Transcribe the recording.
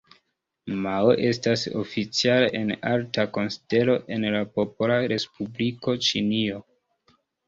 Mao estas oficiale en alta konsidero en la Popola Respubliko Ĉinio.